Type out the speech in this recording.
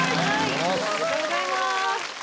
ありがとうございます。